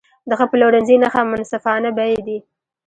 د ښه پلورنځي نښه منصفانه بیې دي.